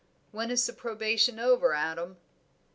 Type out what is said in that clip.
"When is the probation over, Adam?"